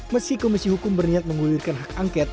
meski komisi hukum berniat menggulirkan hak angket